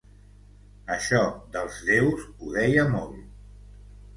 Això dels déus ho deia molt.